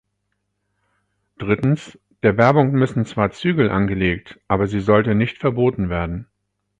Drittens, der Werbung müssen zwar Zügel angelegt, aber sie sollte nicht verboten werden.